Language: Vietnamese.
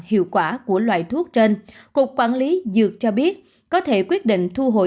hiệu quả của loại thuốc trên cục quản lý dược cho biết có thể quyết định thu hồi